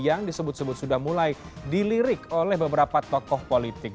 yang disebut sebut sudah mulai dilirik oleh beberapa tokoh politik